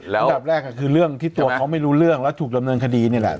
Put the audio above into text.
อันดับแรกก็คือเรื่องที่ตัวเขาไม่รู้เรื่องแล้วถูกดำเนินคดีนี่แหละ